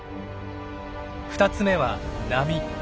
２つ目は波。